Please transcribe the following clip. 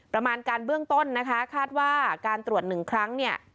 ประมาณการเบื้องต้นนะคะคาดว่าการตรวจหนึ่งครั้งเนี่ย